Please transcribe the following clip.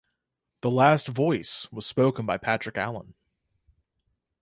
"The last voice" was spoken by Patrick Allen.